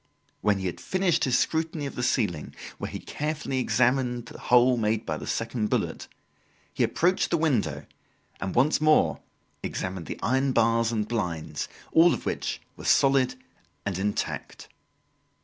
When he had finished his scrutiny of the ceiling, where he carefully examined the hole made by the second bullet, he approached the window, and, once more, examined the iron bars and blinds, all of which were solid and intact.